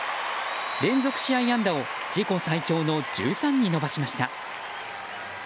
連続試合安打を自己最長の１３に伸ばしました。